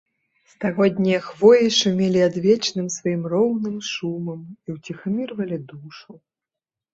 Стагоднія хвоі шумелі адвечным сваім роўным шумам і ўціхамірвалі душу.